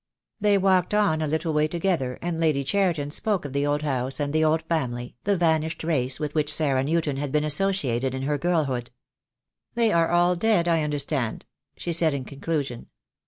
They walked on a little way together, and Lady Cheriton spoke of the old house and the old family, the vanished race with which Sarah Newton had been associated in her girlhood. "They are all dead, I understand?" she said, in con clusion.